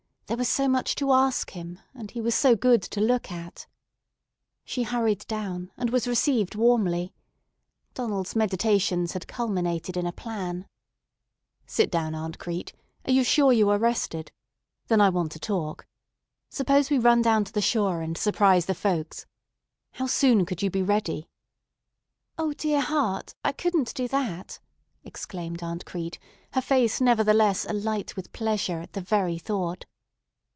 There was so much to ask him, and he was so good to look at. She hurried down and was received warmly. Donald's meditations had culminated in a plan. "Sit down, Aunt Crete; are you sure you are rested? Then I want to talk. Suppose we run down to the shore and surprise the folks. How soon could you be ready?" "O dear heart! I couldn't do that!" exclaimed Aunt Crete, her face nevertheless alight with pleasure at the very thought.